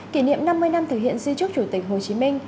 kỷ niệm năm mươi năm thực hiện di trúc chủ tịch hồ chí minh